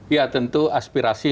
ya tentu aspirasi